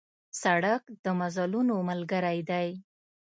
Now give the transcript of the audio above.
سړک د مزلونو ملګری دی.